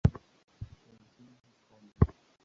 ya nchini Hispania.